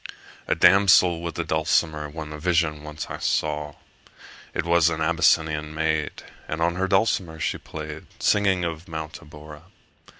A damsel with a dulcimer In a vision once I saw: It was an Abyssinian maid, And on her dulcimer she play'd, 40 Singing of Mount Abora.